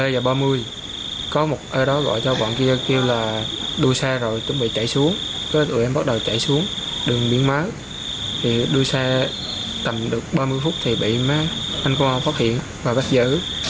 một mươi hai giờ ba mươi có một ở đó gọi cho quận kia kêu là đuôi xa rồi chuẩn bị chạy xuống tụi em bắt đầu chạy xuống đường biến má thì đuôi xa tầm được ba mươi phút thì bị má anh cô không phát hiện và bắt giữ